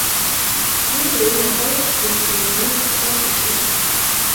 Ripei ngokaik, cheptugonik ak batainik